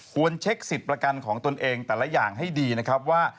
เช็คสิทธิ์ประกันของตนเองแต่ละอย่างให้ดีนะครับว่า